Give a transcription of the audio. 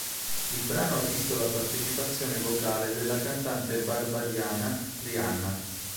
Il brano ha visto la partecipazione vocale della cantante barbadiana Rihanna.